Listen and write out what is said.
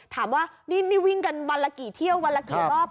ถามว่านี่วิ่งกันวันละกี่เที่ยววันละกี่รอบ